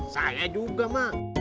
saya juga mak